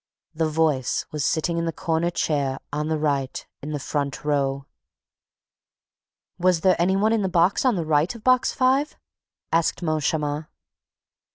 THE VOICE WAS SITTING IN THE CORNER CHAIR, ON THE RIGHT, IN THE FRONT ROW." "Was there any one in the box on the right of Box Five?" asked Moncharmin.